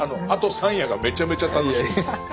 あと３夜がめちゃめちゃ楽しみです。